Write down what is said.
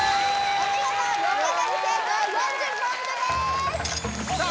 お見事横取り成功４０ポイントですさあ